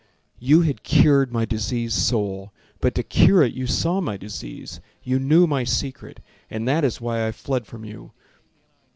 You had cured my diseased soul. But to cure it You saw my disease, you knew my secret, And that is why I fled from you.